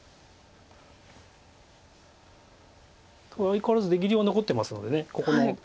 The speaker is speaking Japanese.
相変わらず出切りは残ってますのでここの。